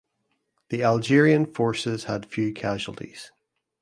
The Algerian forces had few casualties.